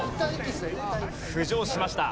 浮上しました。